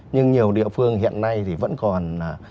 nhưng nhiều địa phương hiện nay thì vẫn còn